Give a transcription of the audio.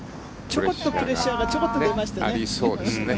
ちょこっとプレッシャーが出ましたね。